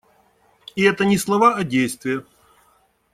И это не слова, а действия.